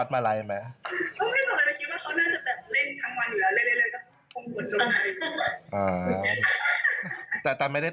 ก็เลยแบบแอปเข้าไปดู